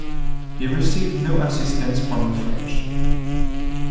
He received no assistance from the French.